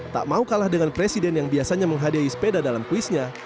tak mau kalah dengan presiden yang biasanya menghadiahi sepeda dalam kuisnya